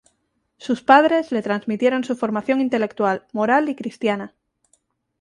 Sus padres le transmitieron su formación intelectual, moral y cristiana.